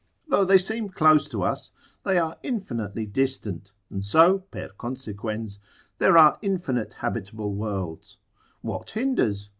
Though they seem close to us, they are infinitely distant, and so per consequens, there are infinite habitable worlds: what hinders?